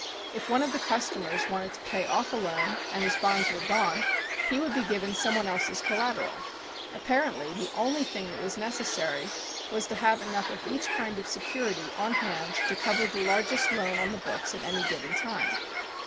If one of the customers wanted to pay off a loan and his bonds were gone he would be given some one else's collateral. Apparently the only thing that was necessary was to have enough of each kind of security on hand to cover the largest loan on the books at any given time.